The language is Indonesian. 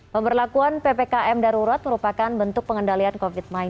pemberlakuan ppkm darurat merupakan bentuk pengendalian covid sembilan belas